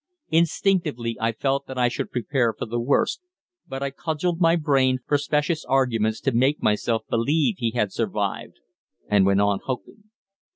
Instinctively I felt that I should prepare for the worst, but I cudgelled my brain for specious arguments to make myself believe he had survived, and went on hoping.